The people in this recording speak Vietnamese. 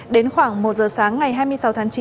đến khoảng một giờ sáng ngày hai mươi sáu tháng chín